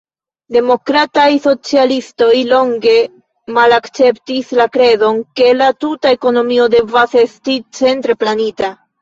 Demokrataj socialistoj longe malakceptis la kredon, ke la tuta ekonomio devas esti centre planita.